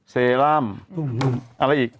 เซรั่มอะไรอีก